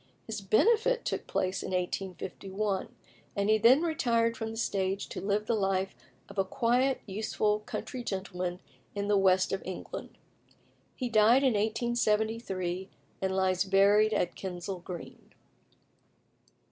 His benefit took place in 1851, and he then retired from the stage to live the life of a quiet, useful country gentleman in the west of England. He died in 1873, and lies buried at Kensal Green.